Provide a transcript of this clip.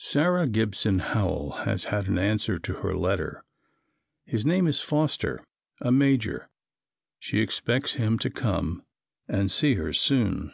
Sarah Gibson Howell has had an answer to her letter. His name is Foster a Major. She expects him to come and see her soon.